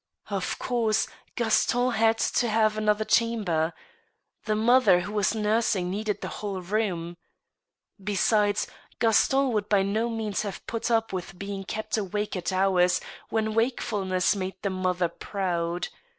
Of course, Gaston had to have another chamber. The mother who was nursing needed the whole room. Besides, Gaston would by no means have put up with being kept awake at hours when wakefulness made the mother proud.